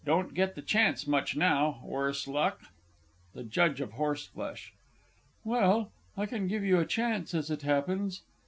Don't get the chance much now worse luck! THE J. OF H. Well, I can give you a chance, as it happens.